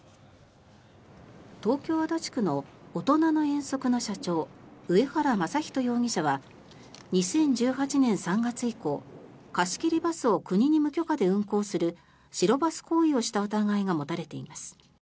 東京・足立区のおとなの遠足の社長上原昌仁容疑者は２０１８年３月以降貸し切りバスを国に無許可で運行する白バス行為をした疑いが持たれています。